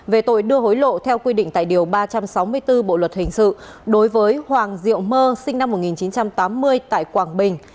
về tội đưa hối lộ theo quy định tại điều ba trăm sáu mươi bốn bộ luật hình sự đối với hoàng diệu mơ sinh năm một nghìn chín trăm tám mươi tại quảng bình